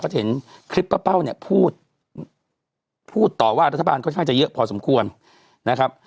จะเห็นคลิปป้าเป้าเนี่ยพูดพูดต่อว่ารัฐบาลค่อนข้างจะเยอะพอสมควรนะครับ